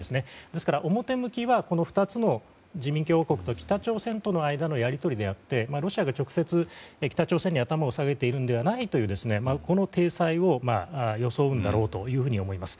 ですから、表向きはこの２つの人民共和国と北朝鮮との間のやり取りであってロシアが直接、北朝鮮に頭を下げているのではないというこの体裁を装うんだろうと思います。